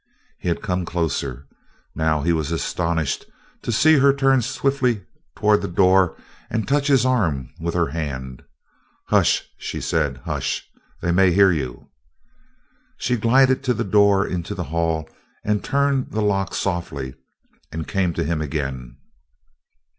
He had come closer. Now he was astonished to see her turn swiftly toward the door and touch his arm with her hand. "Hush!" she said. "Hush! They may hear you!" She glided to the door into the hall and turned the lock softly and came to him again.